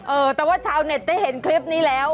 เออแต่ว่าชาวเน็ตได้เห็นคลิปนี้แล้ว